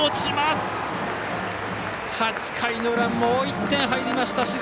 ８回の裏もう１点入りました。